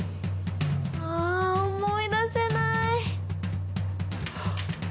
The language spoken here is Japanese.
あ思い出せない！